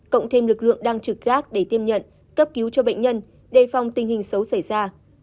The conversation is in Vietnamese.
cộng thêm lực lượng đang trực gác để tiêm nhận cấp cứu cho bệnh nhân đề phòng tình hình xấu xảy ra